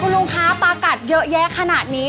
ลุงคะปลากัดเยอะแยะขนาดนี้